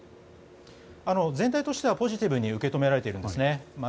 全体的にはポジティブに受け止められていますね。